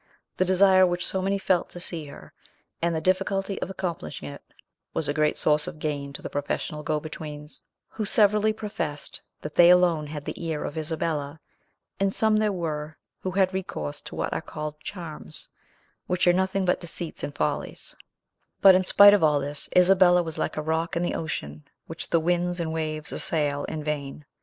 The desire which so many felt to see her, and the difficulty of accomplishing it, was a great source of gain to the professional go betweens, who severally professed that they alone had the ear of Isabella, and some there were who had recourse to what are called charms, which are nothing but deceits and follies; but in spite of all this, Isabella was like a rock in the ocean, which the winds and waves assail in vain.